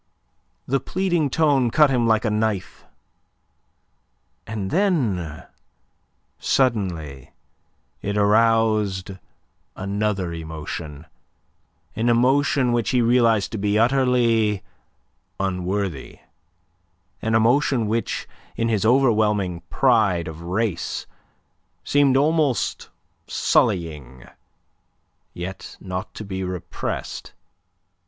The pleading tone cut him like a knife; and then suddenly it aroused another emotion an emotion which he realized to be utterly unworthy, an emotion which, in his overwhelming pride of race, seemed almost sullying, yet not to be repressed.